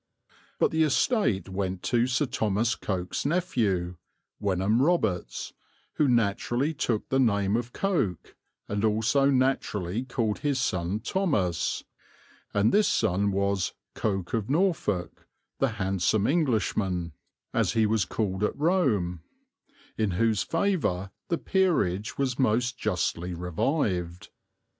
But the estate went to Sir Thomas Coke's nephew, Wenham Roberts, who naturally took the name of Coke, and also naturally called his son Thomas; and this son was "Coke of Norfolk," "the handsome Englishman," as he was called at Rome, in whose favour the peerage was most justly revived.